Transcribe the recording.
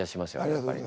やっぱりね。